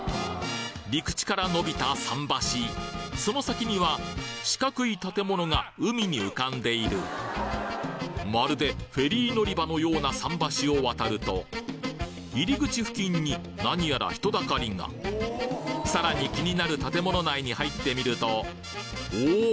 陸地からのびた桟橋その先には四角い建物が海に浮かんでいるまるでフェリー乗り場のような桟橋を渡ると入り口付近になにやら人だかりがさらに気になる建物内に入ってみるとおお！